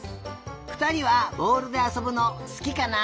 ふたりはぼおるであそぶのすきかな？